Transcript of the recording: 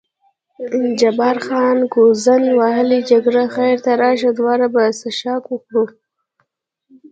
جبار خان: ګوزڼ وهلې جګړه، خیر ته راشه دواړه به څښاک وکړو.